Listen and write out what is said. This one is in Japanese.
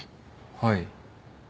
はい。